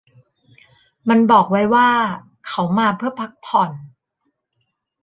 มันบอกไว้ว่าเขามาเพื่อพักผ่อน